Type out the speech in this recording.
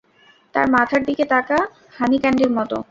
তার মাথার দিকে তাকা, হানী ক্যান্ডির মতো।